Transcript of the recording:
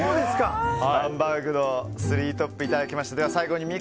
ハンバーグのスリートップいただきました。